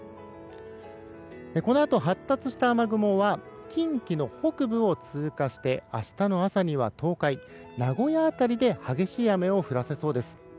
このあと発達した雨雲は近畿の北部を通過して明日の朝には東海、名古屋辺りで激しい雨を降らせそうです。